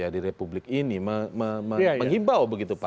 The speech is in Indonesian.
di republik ini menghibau